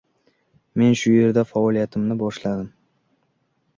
Men shu yerda faoliyatimni boshladim.